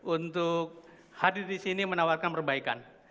untuk hadir di sini menawarkan perbaikan